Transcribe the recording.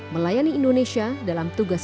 melayani indonesia dalam tugas